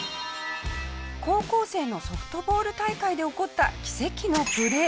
高校生のソフトボール大会で起こった奇跡のプレー。